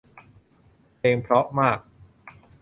เพลงเพราะมาก